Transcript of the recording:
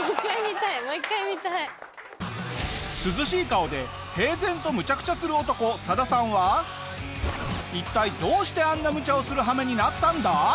涼しい顔で平然とむちゃくちゃする男サダさんは一体どうしてあんなむちゃをする羽目になったんだ？